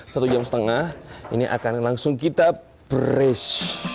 satu jam setengah ini akan langsung kita brece